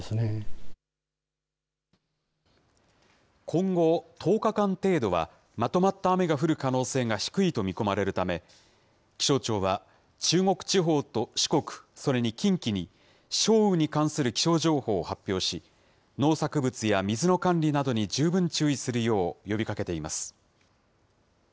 今後１０日間程度はまとまった雨が降る可能性が低いと見込まれるため、気象庁は、中国地方と四国、それに近畿に、少雨に関する気象情報を発表し、農作物や水の管理などに十分注意するよう呼びかけています。